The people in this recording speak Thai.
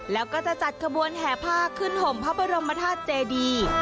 แล้วก็จะจัดขบวนแห่ผ้าขึ้นห่มพระบรมธาตุเจดี